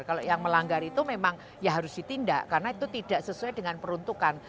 kalau yang melanggar itu memang ya harus ditindak karena itu tidak sesuai dengan peruntukan